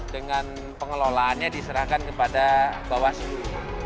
dengan pengelolaannya diserahkan kepada bawah sisi